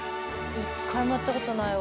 １回もやったことないわ。